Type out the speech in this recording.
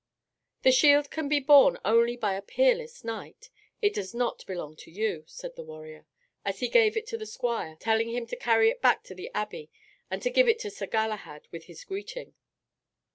"The shield can be borne only by a peerless knight. It does not belong to you," said the warrior, as he gave it to the squire, telling him to carry it back to the abbey and to give it to Sir Galahad with his greeting.